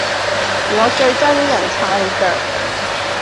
我最憎人撐腳